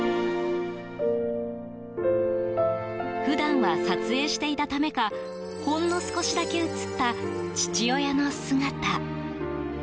普段は撮影していたためかほんの少しだけ映った父親の姿。